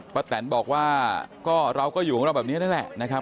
พระแทนฯบอกว่าเราก็อยู่บ้างรอบแบบนี้นี่แหละนะครับ